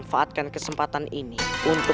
kadang selalu byo bebo